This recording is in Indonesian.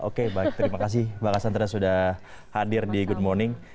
oke baik terima kasih mbak kassandra sudah hadir di good morning